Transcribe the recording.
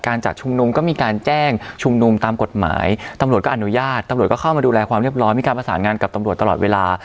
การจัดชุมนุมก็มีการแจ้งชุมนุมตามกฎหมายตำรวจก็อนุญาตตำรวจก็เข้ามาดูแลความเรียบร้อยมีการประสานงานกับตำรวจตลอดเวลา